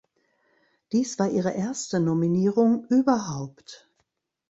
Dies war ihre erste Nominierung überhaupt.